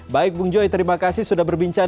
baik bung joy terima kasih sudah berbincang